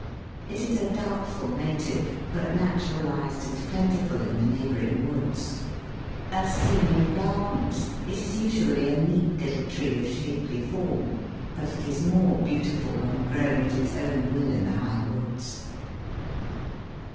It is a doubtful native, but naturalised and plentiful in the neighbouring woods. As seen in gardens, it is usually a neat little tree of shapely form, but it is more beautiful when growing at its own will in the high woods.